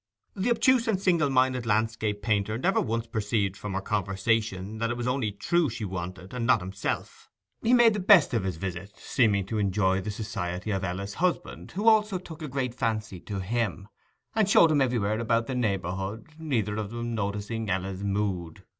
The obtuse and single minded landscape painter never once perceived from her conversation that it was only Trewe she wanted, and not himself. He made the best of his visit, seeming to enjoy the society of Ella's husband, who also took a great fancy to him, and showed him everywhere about the neighbourhood, neither of them noticing Ella's mood.